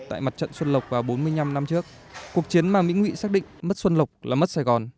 tại mặt trận xuân lộc vào bốn mươi năm năm trước cuộc chiến mà mỹ ngụy xác định mất xuân lộc là mất sài gòn